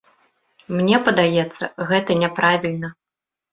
Мне падаецца, гэта няправільна.